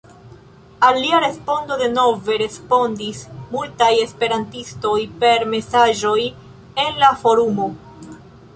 Al lia respondo denove respondis multaj Esperantistoj per mesaĝoj en la forumo.